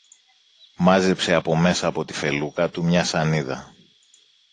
Μάζεψε από μέσα από τη φελούκα του μια σανίδα